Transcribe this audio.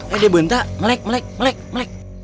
eh dia buntak melek melek melek